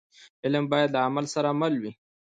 علم باید له عمل سره مل وي.